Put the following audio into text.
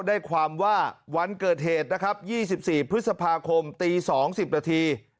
ได้ความว่าวันเกิดเหตุนะครับ๒๔พฤษภาคมตี๒๐นาที